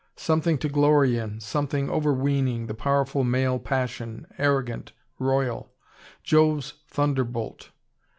Something to glory in, something overweening, the powerful male passion, arrogant, royal, Jove's thunderbolt.